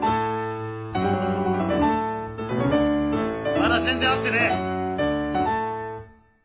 まだ全然合ってねえ！